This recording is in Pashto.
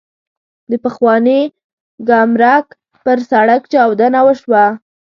د پخواني ګمرک پر سړک چاودنه وشوه.